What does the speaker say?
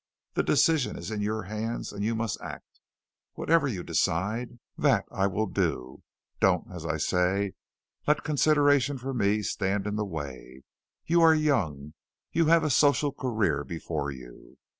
The decision is in your hands and you must act. Whatever you decide, that I will do. Don't, as I say, let consideration for me stand in the way. You are young. You have a social career before you.